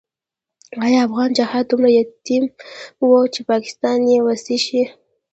آیا افغان جهاد دومره یتیم وو چې پاکستان یې وصي شي؟